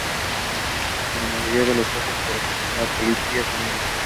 En la mayoría de los casos por asesinar a policías y niños.